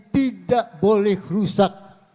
tidak boleh rusak